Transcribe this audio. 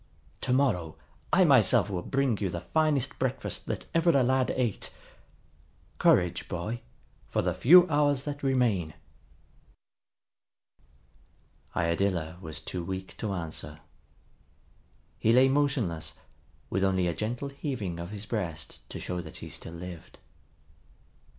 To morrow I myself will bring you the finest breakfast that ever a lad ate. Courage, boy, for the few hours that remain." Iadilla was too weak to answer. He lay motionless, with only a gentle heaving of his breast to show that he still lived.